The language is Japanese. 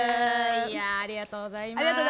ありがとうございます。